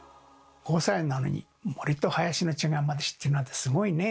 ５歳なのに森と林の違いまで知ってるなんてすごいね！